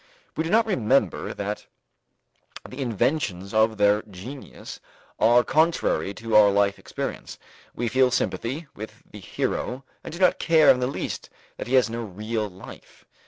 We do not remember that the inventions of their genius are contrary to our life experience; we feel sympathy with the hero and do not care in the least that he has no real life.